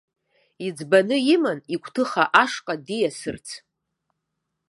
Иӡбаны иман игәҭыха ашҟа диасырц.